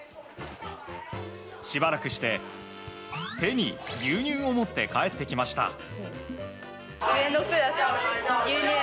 しばらくして手に牛乳を持って帰ってきました。